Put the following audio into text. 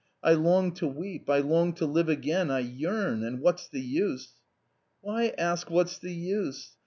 I long to weep, I long to live again, I yearn ;— and what's the use ?" "Why ask what's the use?